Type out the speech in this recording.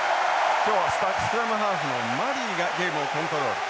今日はスクラムハーフのマリーがゲームをコントロール。